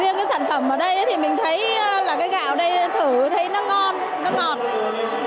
riêng cái sản phẩm ở đây thì mình thấy là cái gạo ở đây thử thấy nó ngon nó ngọt